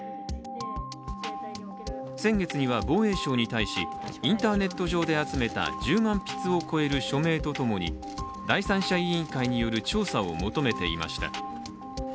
先月には防衛省に対しインターネット上で集めた１０万筆を超える署名と共に第三者委員会による調査を求めていました。